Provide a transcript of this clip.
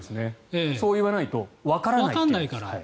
そういわないとわからない。